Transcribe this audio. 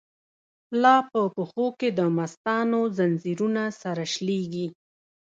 لاپه پښو کی دمستانو، ځنځیرونه سره شلیږی